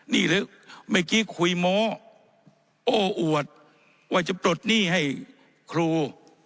นี่หรือเมื่อกี้คุยโม้โอ้อวดว่าจะปลดหนี้ให้ครู